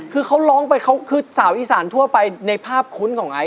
คือเขาร้องไปเขาคือสาวอีสานทั่วไปในภาพคุ้นของไอซ